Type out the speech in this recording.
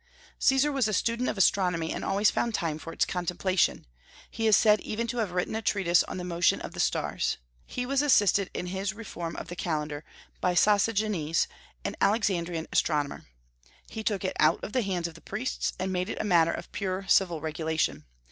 Caesar was a student of astronomy, and always found time for its contemplation. He is said even to have written a treatise on the motion of the stars. He was assisted in his reform of the calendar by Sosigines, an Alexandrian astronomer. He took it out of the hands of the priests, and made it a matter of pure civil regulation.